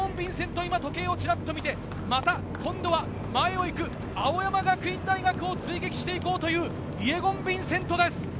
今、時計をちらっと見て、また今度は前を行く青山学院大学を追撃して行こうというイェゴン・ヴィンセントです。